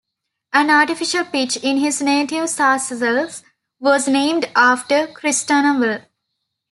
An artificial pitch in his native Sarcelles was named after Christanval.